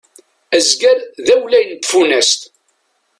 Azger d awlay n tfunast.